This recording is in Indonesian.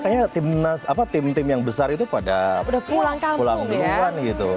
karena sekarang semuanya tim tim yang besar itu pada pulang pulang gitu